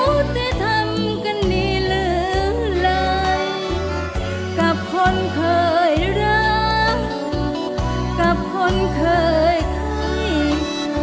มันอยู่ที่ทำกันดีละเลยกับคนเคยรักกับคนเคยคิด